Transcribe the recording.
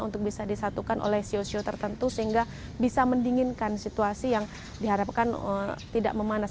untuk bisa disatukan oleh sio sio tertentu sehingga bisa mendinginkan situasi yang diharapkan tidak memanas